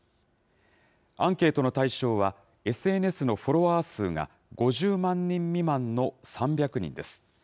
アンケートの対象は、ＳＮＳのフォロワー数が５０万人未満の３００人です。